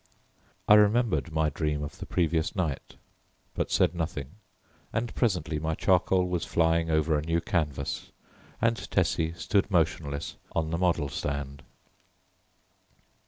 I remembered my dream of the previous night but said nothing, and presently my charcoal was flying over a new canvas, and Tessie stood motionless on the model stand.